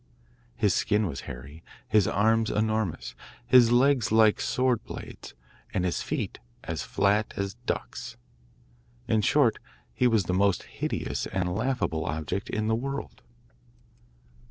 His skin was hairy, his arms enormous, his legs like sword blades, and his feet as flat as ducks'. In short, he was the most hideous and laughable object in the world.